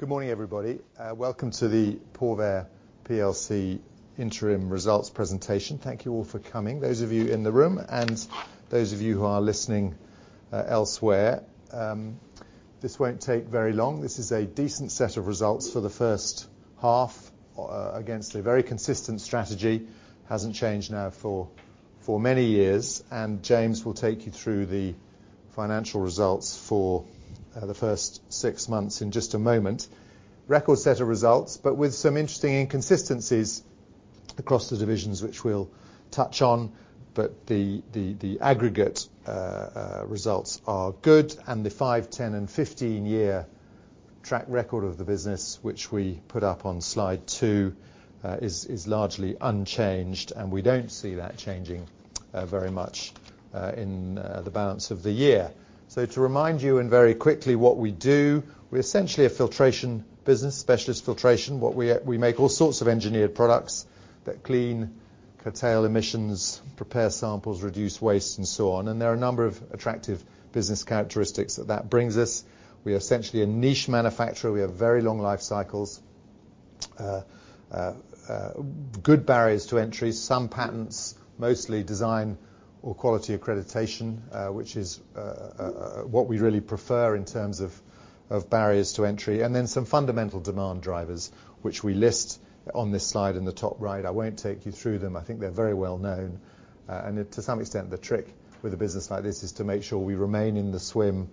Good morning, everybody. Welcome to the Porvair PLC interim results presentation. Thank you all for coming, those of you in the room and those of you who are listening elsewhere. This won't take very long. This is a decent set of results for the first half against a very consistent strategy. Hasn't changed now for many years. James will take you through the financial results for the first six months in just a moment. Record set of results, but with some interesting inconsistencies across the divisions, which we'll touch on. The aggregate results are good. The five, 10, and 15-year track record of the business, which we put up on slide two, is largely unchanged, and we don't see that changing very much in the balance of the year. To remind you, and very quickly, what we do, we're essentially a filtration business, specialist filtration. We make all sorts of engineered products that clean, curtail emissions, prepare samples, reduce waste, and so on. There are a number of attractive business characteristics that that brings us. We are essentially a niche manufacturer. We have very long life cycles. Good barriers to entry, some patents, mostly design or quality accreditation, which is what we really prefer in terms of barriers to entry. Then some fundamental demand drivers, which we list on this slide in the top right. I won't take you through them. I think they're very well known. To some extent, the trick with a business like this is to make sure we remain in the swim,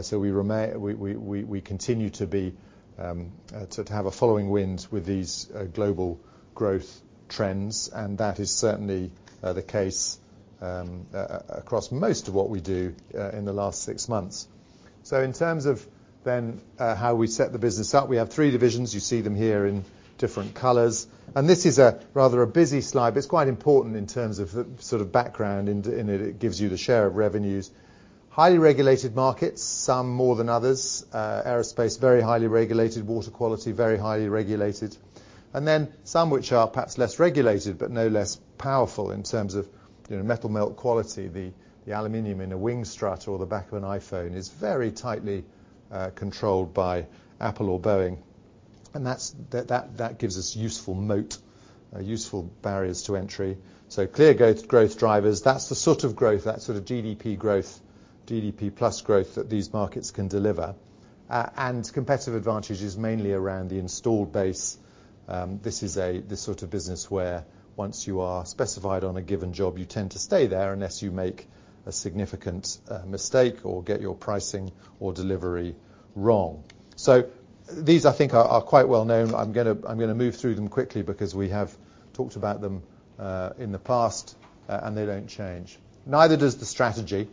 so we continue to be to have a following wind with these global growth trends, and that is certainly the case across most of what we do in the last six months. In terms of how we set the business up, we have three divisions. You see them here in different colors, and this is a rather a busy slide, but it's quite important in terms of the sort of background, and it gives you the share of revenues. Highly regulated markets, some more than others. Aerospace, very highly regulated. Water quality, very highly regulated. Some which are perhaps less regulated, but no less powerful in terms of, you know, metal melt quality. The aluminum in a wing strut or the back of an iPhone is very tightly controlled by Apple or Boeing, and that gives us useful moat, useful barriers to entry. Clear growth drivers, that's the sort of growth, that sort of GDP growth, GDP plus growth, that these markets can deliver. Competitive advantage is mainly around the installed base. This is the sort of business where once you are specified on a given job, you tend to stay there unless you make a significant mistake or get your pricing or delivery wrong. These, I think, are quite well known. I'm gonna move through them quickly because we have talked about them in the past and they don't change. Neither does the strategy.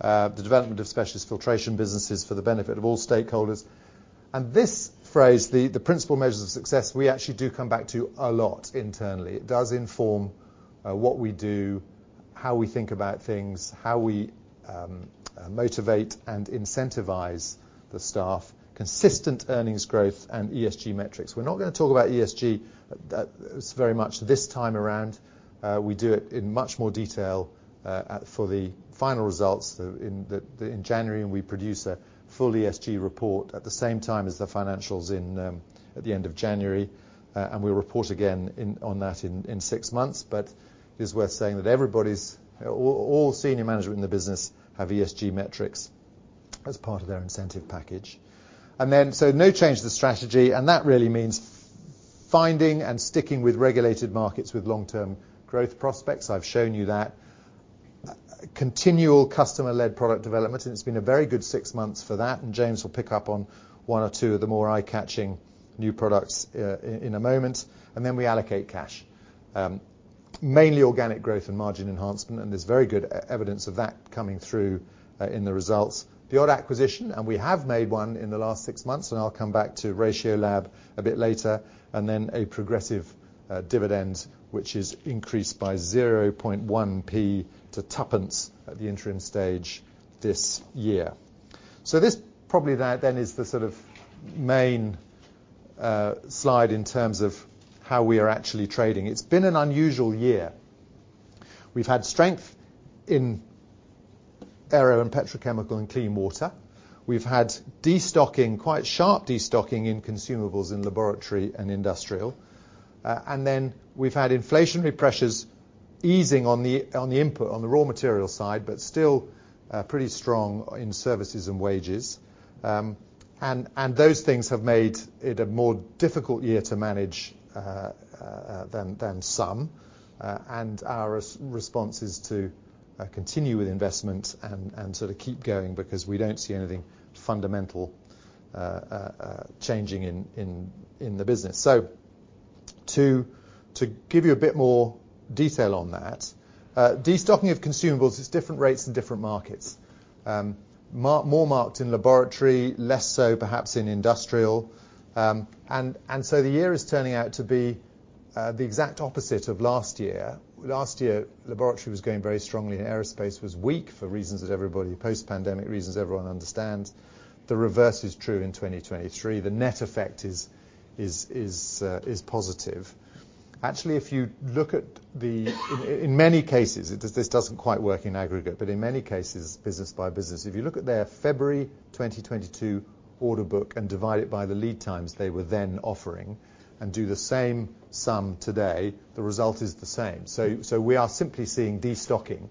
The development of specialist filtration businesses for the benefit of all stakeholders. This phrase, the principal measures of success, we actually do come back to a lot internally. It does inform what we do, how we think about things, how we motivate and incentivize the staff, consistent earnings growth and ESG metrics. We're not gonna talk about ESG. That is very much this time around. We do it in much more detail for the final results, though, in the January, and we produce a full ESG report at the same time as the financials in at the end of January, and we'll report again in on that in six months. It is worth saying that everybody's all senior management in the business have ESG metrics as part of their incentive package. No change to the strategy, and that really means finding and sticking with regulated markets with long-term growth prospects. I've shown you that. Continual customer-led product development, and it's been a very good six months for that, and James will pick up on one or two of the more eye-catching new products in a moment. We allocate cash. Mainly organic growth and margin enhancement, and there's very good e-evidence of that coming through in the results. The odd acquisition, we have made one in the last six months, I'll come back to Ratiolab a bit later, then a progressive dividend, which is increased by 0.1 -GBP 2 at the interim stage this year. This probably is the sort of main slide in terms of how we are actually trading. It's been an unusual year. We've had strength in aero and petrochemical and clean water. We've had destocking, quite sharp destocking in consumables, in laboratory and industrial. Then we've had inflationary pressures easing on the input, on the raw material side, but still pretty strong in services and wages. Um, and, and those things have made it a more difficult year to manage, uh, uh, than, than some, uh, and our res-response is to, uh, continue with investment and, and sort of keep going because we don't see anything fundamental, uh, uh, uh, changing in, in, in the business. So to, to give you a bit more detail on that, uh, destocking of consumables is different rates in different markets. Um, mar- more marked in laboratory, less so perhaps in industrial. Um, and, and so the year is turning out to be, uh, the exact opposite of last year. Last year, laboratory was going very strongly, and aerospace was weak for reasons that everybody... Post-pandemic reasons everyone understands. The reverse is true in twenty twenty-three. The net effect is, is, is, uh, is positive. Actually, if you look at the, in many cases, this doesn't quite work in aggregate, but in many cases, business by business, if you look at their February 2022 order book and divide it by the lead times they were then offering and do the same sum today, the result is the same. We are simply seeing destocking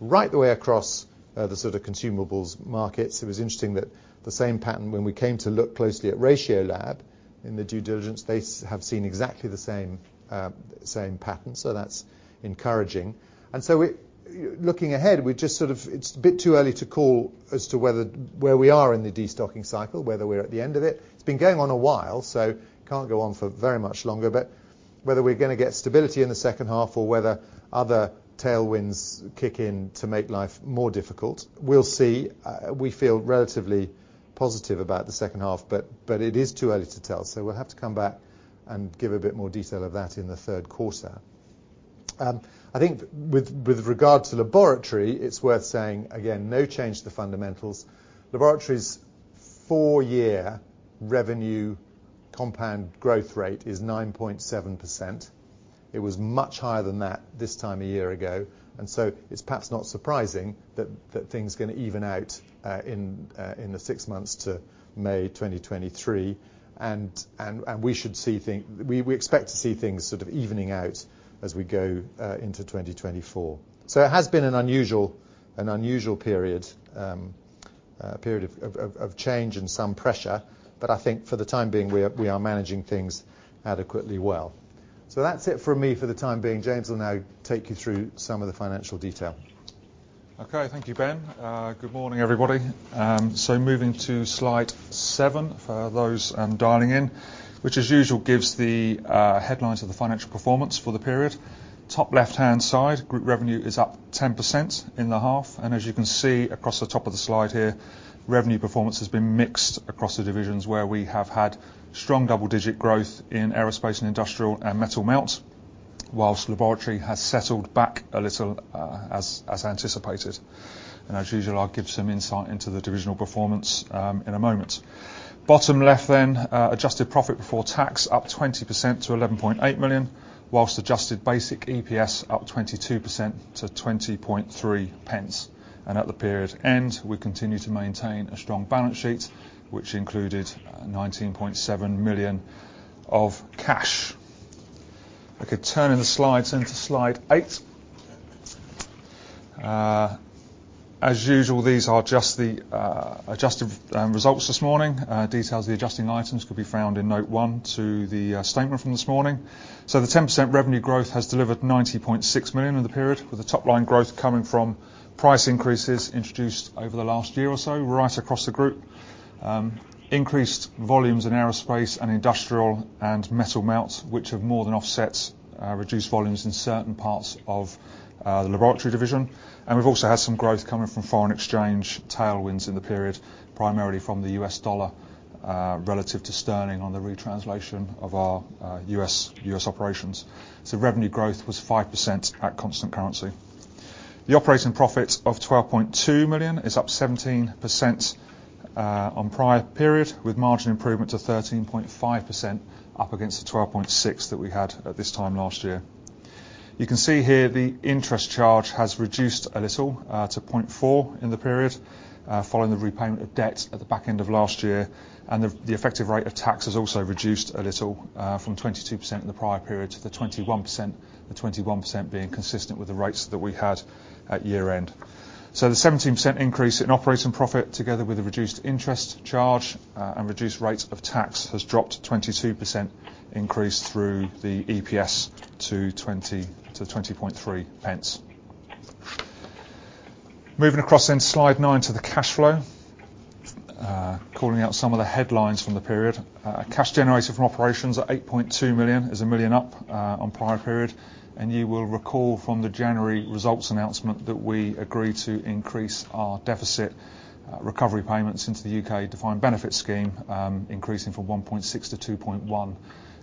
right the way across the sort of consumables markets. It was interesting that the same pattern, when we came to look closely at Ratiolab in the due diligence, they have seen exactly the same same pattern. That's encouraging. Looking ahead, we're just sort of, it's a bit too early to call as to whether where we are in the destocking cycle, whether we're at the end of it. It's been going on a while, so can't go on for very much longer. Whether we're gonna get stability in the second half or whether other tailwinds kick in to make life more difficult, we'll see. We feel relatively positive about the second half, but it is too early to tell, so we'll have to come back and give a bit more detail of that in the third quarter. I think with regard to laboratory, it's worth saying, again, no change to the fundamentals. Laboratory's four-year revenue compound growth rate is 9.7%. It was much higher than that this time a year ago, and so it's perhaps not surprising that things are gonna even out in the six months to May 2023. We expect to see things sort of evening out as we go into 2024. It has been an unusual period, a period of change and some pressure, but I think for the time being, we are managing things adequately well. That's it for me for the time being. James will now take you through some of the financial detail. Okay, thank you, Ben. Good morning, everybody. Moving to slide seven for those dialing in, which, as usual, gives the headlines of the financial performance for the period. Top left-hand side, group revenue is up 10% in the half, as you can see across the top of the slide here, revenue performance has been mixed across the divisions, where we have had strong double-digit growth in aerospace & industrial and metal melt, whilst laboratory has settled back a little as anticipated. As usual, I'll give some insight into the divisional performance in a moment. Bottom left, adjusted profit before tax, up 20% to 11.8 million, whilst adjusted basic EPS up 22% to 20.3 pence. At the period end, we continue to maintain a strong balance sheet, which included 19.7 million of cash. Turning the slides into slide eight. As usual, these are just the adjusted results this morning. Details of the adjusting items could be found in note one to the statement from this morning. The 10% revenue growth has delivered 90.6 million in the period, with the top line growth coming from price increases introduced over the last year or so, right across the group. Increased volumes in aerospace & industrial and metal melt, which have more than offset reduced volumes in certain parts of the laboratory division. We've also had some growth coming from foreign exchange tailwinds in the period, primarily from the US dollar relative to sterling on the retranslation of our US operations. Revenue growth was 5% at constant currency. The operating profit of 12.2 million is up 17% on prior period, with margin improvement to 13.5%, up against the 12.6 that we had at this time last year. You can see here the interest charge has reduced a little to 0.4 in the period following the repayment of debt at the back end of last year, and the effective rate of tax has also reduced a little from 22% in the prior period to the 21% being consistent with the rates that we had at year-end. The 17% increase in operating profit, together with a reduced interest charge, and reduced rates of tax, has dropped 22% increase through the EPS to 20.3 pence. Moving across, slide nine to the cash flow. Calling out some of the headlines from the period. Cash generated from operations at 8.2 million is 1 million up on prior period, and you will recall from the January results announcement that we agreed to increase our deficit recovery payments into the UK defined benefit scheme, increasing from 1.6 to 2.1,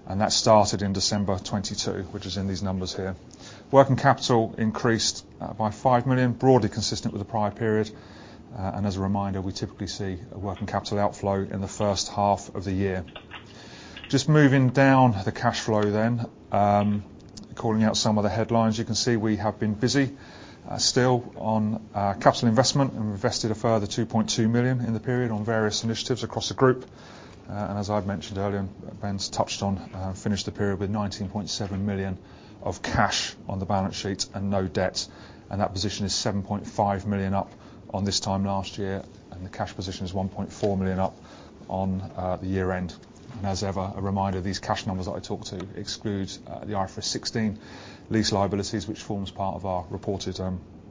and that started in December 2022, which is in these numbers here. Working capital increased by 5 million, broadly consistent with the prior period. As a reminder, we typically see a working capital outflow in the first half of the year. Moving down the cash flow, calling out some of the headlines, you can see we have been busy still on capital investment. We invested a further 2.2 million in the period on various initiatives across the group. As I've mentioned earlier, Ben's touched on, finished the period with 19.7 million of cash on the balance sheet and no debt. That position is 7.5 million up on this time last year. The cash position is 1.4 million up on the year-end. As ever, a reminder, these cash numbers that I talked to exclude the IFRS 16 lease liabilities, which forms part of our reported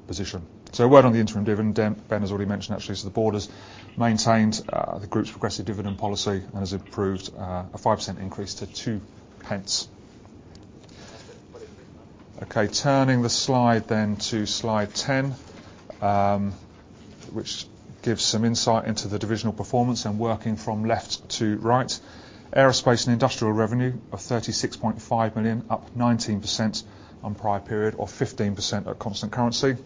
position. A word on the interim dividend, Ben has already mentioned, actually, the board has maintained the group's progressive dividend policy and has approved a 5% increase to 2 pence. Okay, turning the slide then to slide 10, which gives some insight into the divisional performance and working from left to right. Aerospace & industrial revenue of 36.5 million, up 19% on prior period, or 15% at constant currency.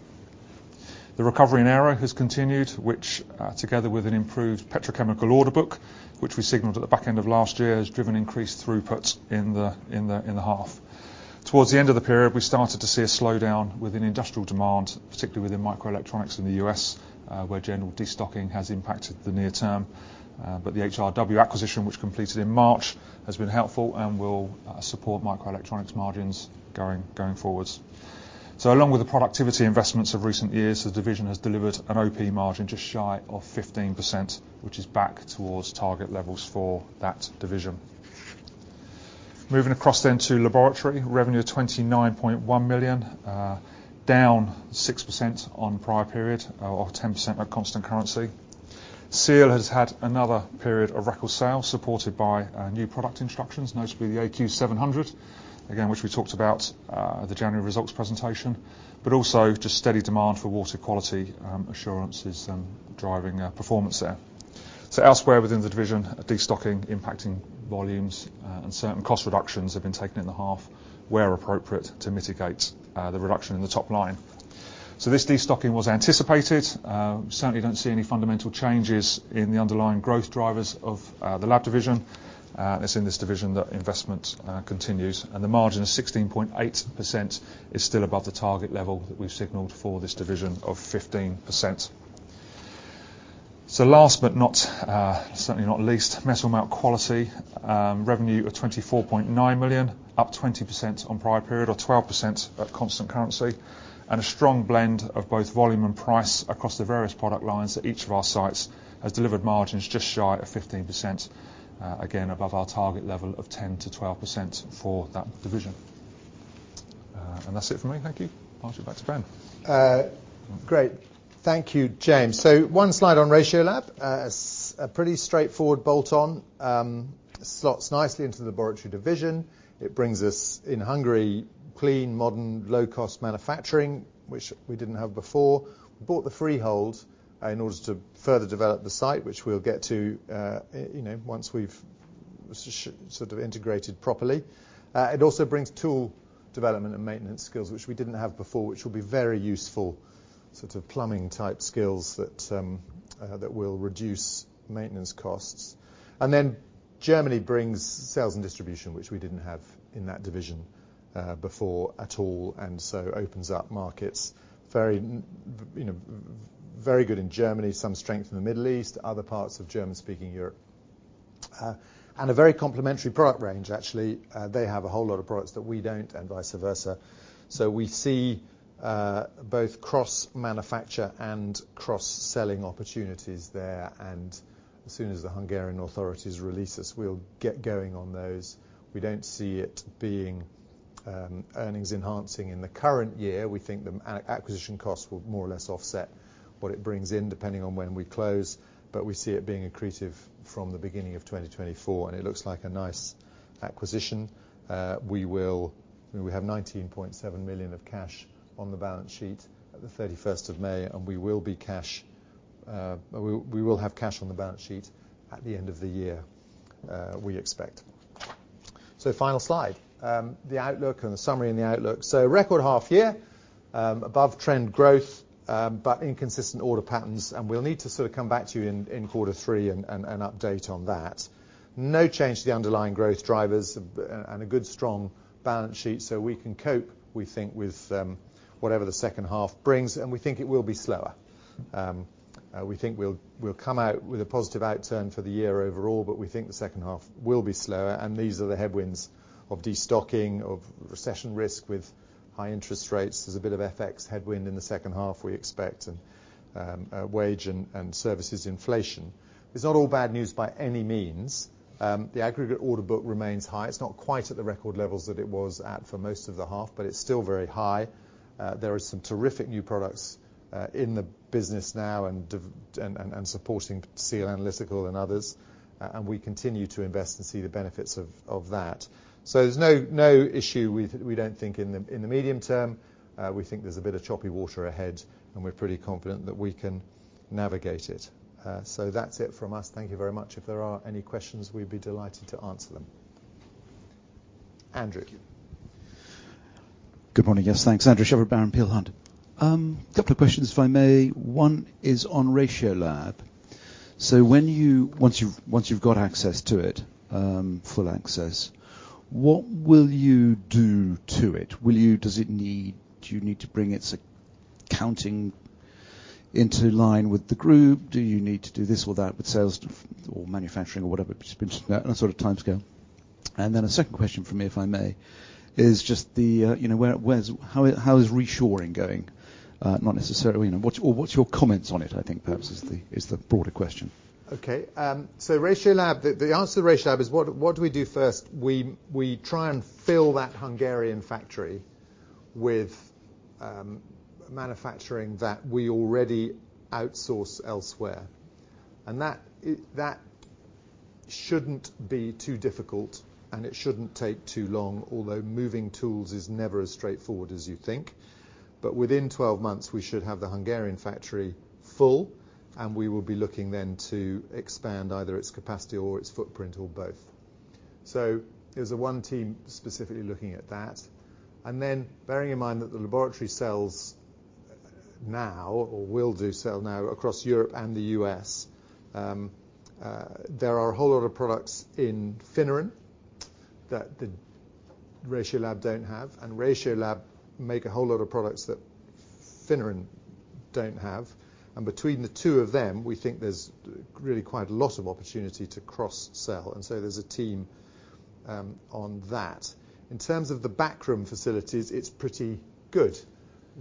The recovery in aero has continued, which, together with an improved petrochemical order book, which we signaled at the back end of last year, has driven increased throughput in the half. Towards the end of the period, we started to see a slowdown within industrial demand, particularly within microelectronics in the U.S., where general destocking has impacted the near term. But the HRW acquisition, which completed in March, has been helpful and will support microelectronics margins going forwards. Along with the productivity investments of recent years, the division has delivered an OP margin just shy of 15%, which is back towards target levels for that division. Moving across to laboratory. Revenue of 29.1 million, down 6% on prior period, or 10% at constant currency. SEAL has had another period of record sales, supported by new product introductions, notably the AQ700, again, which we talked about at the January results presentation. Also just steady demand for water quality assurances driving performance there. Elsewhere within the division, a destocking impacting volumes, and certain cost reductions have been taken in the half, where appropriate, to mitigate the reduction in the top line. This destocking was anticipated. Certainly don't see any fundamental changes in the underlying growth drivers of the Laboratory division. It's in this division that investment continues, and the margin of 16.8% is still above the target level that we've signaled for this division of 15%. Last but not certainly not least, metal melt quality, revenue of 24.9 million, up 20% on prior period, or 12% at constant currency, and a strong blend of both volume and price across the various product lines at each of our sites, has delivered margins just shy of 15%, again, above our target level of 10%-12% for that division. That's it for me. Thank you. Pass it back to Ben. Great. Thank you, James. One slide on Ratiolab. It's a pretty straightforward bolt-on, slots nicely into the laboratory division. It brings us, in Hungary, clean, modern, low-cost manufacturing, which we didn't have before. We bought the freehold in order to further develop the site, which we'll get to, you know, once we've sort of integrated properly. It also brings tool development and maintenance skills, which we didn't have before, which will be very useful, sort of plumbing-type skills that will reduce maintenance costs. Germany brings sales and distribution, which we didn't have in that division before at all, opens up markets. Very, you know, very good in Germany, some strength in the Middle East, other parts of German-speaking Europe. A very complementary product range, actually. They have a whole lot of products that we don't, and vice versa. We see both cross-manufacture and cross-selling opportunities there, and as soon as the Hungarian authorities release us, we'll get going on those. We don't see it being earnings enhancing in the current year. We think the acquisition costs will more or less offset what it brings in, depending on when we close, but we see it being accretive from the beginning of 2024, and it looks like a nice acquisition. We have 19.7 million of cash on the balance sheet at the 31st of May, and we will be cash, we will have cash on the balance sheet at the end of the year, we expect. Final slide, the outlook and the summary and the outlook. Record half-year, above-trend growth, but inconsistent order patterns, and we'll need to sort of come back to you in quarter three and update on that. No change to the underlying growth drivers, and a good, strong balance sheet, so we can cope, we think, with whatever the second half brings, and we think it will be slower. We think we'll come out with a positive outturn for the year overall, but we think the second half will be slower, and these are the headwinds of destocking, of recession risk with high interest rates. There's a bit of FX headwind in the second half, we expect, and wage and services inflation. It's not all bad news by any means. The aggregate order book remains high. It's not quite at the record levels that it was at for most of the half, but it's still very high. There are some terrific new products in the business now and supporting SEAL Analytical and others. We continue to invest and see the benefits of that. There's no issue, we don't think in the medium term. We think there's a bit of choppy water ahead, and we're pretty confident that we can navigate it. That's it from us. Thank you very much. If there are any questions, we'd be delighted to answer them. Andrew? Good morning. Yes, thanks. Andrew Shepherd-Barron, Peel Hunt. A couple of questions, if I may. One is on Ratiolab. Once you've got access to it, full access, what will you do to it? Do you need to bring its accounting into line with the group? Do you need to do this or that with sales, or manufacturing, or whatever, and sort of timescale? A second question from me, if I may, is just the, you know, where's how is reshoring going? Not necessarily, you know, or what's your comments on it, I think, perhaps, is the, is the broader question. Okay, Ratiolab, the answer to Ratiolab is what do we do first? We try and fill that Hungarian factory with manufacturing that we already outsource elsewhere, and that shouldn't be too difficult, and it shouldn't take too long, although moving tools is never as straightforward as you think. Within 12 months, we should have the Hungarian factory full, and we will be looking then to expand either its capacity or its footprint, or both. There's a one team specifically looking at that, and then bearing in mind that the laboratory sells now or will do sell now across Europe and the U.S., there are a whole lot of products in Finneran that the Ratiolab don't have, and Ratiolab make a whole lot of products that Finneran don't have. Between the two of them, we think there's really quite a lot of opportunity to cross-sell, and so there's a team on that. In terms of the backroom facilities, it's pretty good.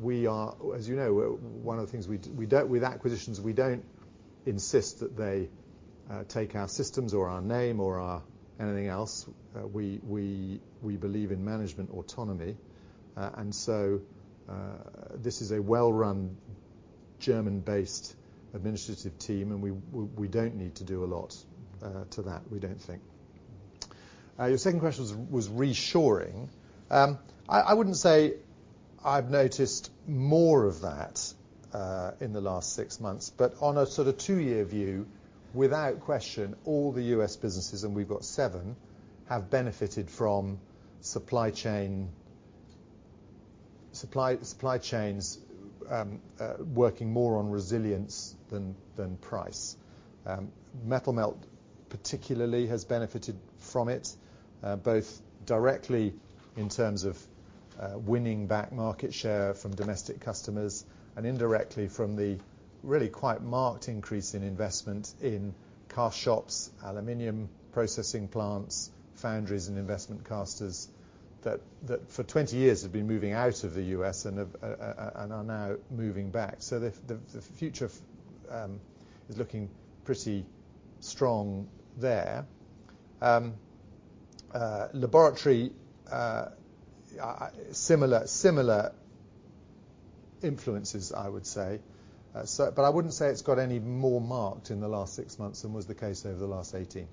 We are, as you know, one of the things we don't, with acquisitions, we don't insist that they take our systems or our name or our anything else. We believe in management autonomy, and so, this is a well-run, German-based administrative team, and we don't need to do a lot to that, we don't think. Your second question was reshoring. I wouldn't say I've noticed more of that in the last six months, but on a sort of two-year view, without question, all the U.S. businesses, and we've got seven, have benefited from supply chains, working more on resilience than price. Metal melt, particularly, has benefited from it, both directly in terms of winning back market share from domestic customers and indirectly from the really quite marked increase in investment in car shops, aluminum processing plants, foundries, and investment casters that for 20 years have been moving out of the U.S. and have, and are now moving back. The future is looking pretty strong there. Laboratory, similar influences, I would say. I wouldn't say it's got any more marked in the last six months than was the case over the last 18.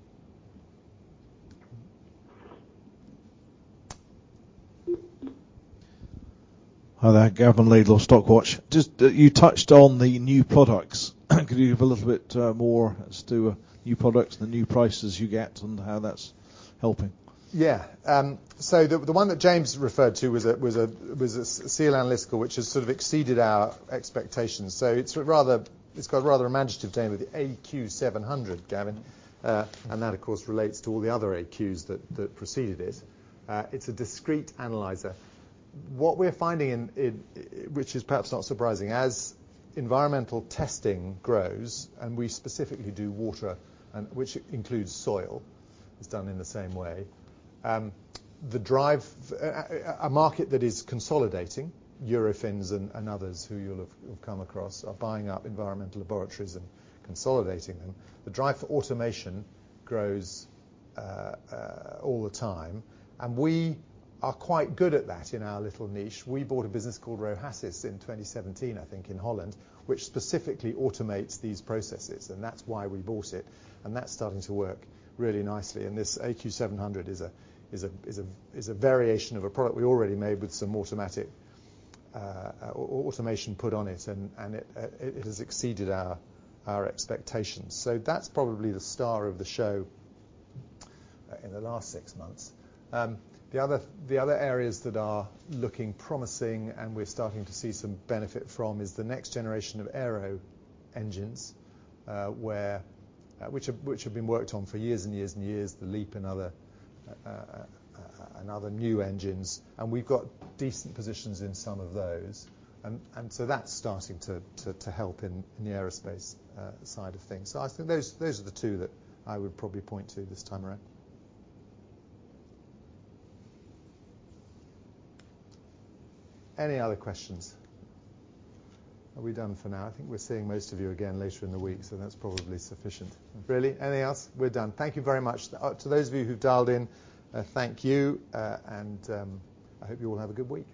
Hi there, Gavin Laidlaw, Stockwatch. Just, you touched on the new products. Could you give a little bit more as to new products and the new prices you get and how that's helping? Yeah, the one that James referred to was a SEAL Analytical, which has sort of exceeded our expectations. It's a rather, it's got a rather imaginative name, the AQ700, Gavin, and that, of course, relates to all the other AQs that preceded it. It's a discrete analyzer. What we're finding and it which is perhaps not surprising, as environmental testing grows, and we specifically do water, and which includes soil, it's done in the same way, the drive a market that is consolidating, Eurofins and others who you'll have come across, are buying up environmental laboratories and consolidating them. The drive for automation grows all the time, and we are quite good at that in our little niche. We bought a business called Rohasys in 2017, I think, in Holland, which specifically automates these processes, and that's why we bought it, and that's starting to work really nicely. This AQ700 is a variation of a product we already made with some automatic automation put on it, and it has exceeded our expectations. That's probably the star of the show in the last six months. The other areas that are looking promising, and we're starting to see some benefit from, is the next generation of aero engines, where which have been worked on for years and years and years, the LEAP and other new engines, and we've got decent positions in some of those. That's starting to help in the aerospace side of things. I think those are the two that I would probably point to this time around. Any other questions? Are we done for now? I think we're seeing most of you again later in the week, so that's probably sufficient. Really, anything else? We're done. Thank you very much. To those of you who dialed in, thank you, and, I hope you all have a good week.